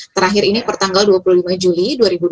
terakhir ini pertanggal dua puluh lima juli dua ribu dua puluh